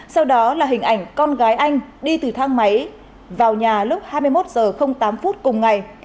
sau đó là hình ảnh con gái anh đi từ thang máy vào nhà lúc hai mươi một h tám cùng ngày